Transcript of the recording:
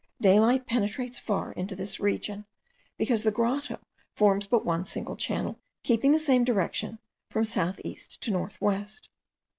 Daylight penetrates far into this region, because the grotto forms but one single channel, keeping the same direction, from south east to north west.